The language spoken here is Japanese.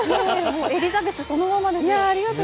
エリザベスそのままですよ。